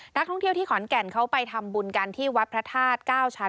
นักท่องเที่ยวที่ขอนแก่นเขาไปทำบุญกันที่วัดพระธาตุ๙ชั้น